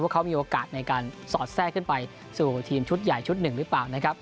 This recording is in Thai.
เขามีโอกาสในการสอดแทรกขึ้นไปสู่ทีมชุดใหญ่ชุดหนึ่งหรือเปล่านะครับ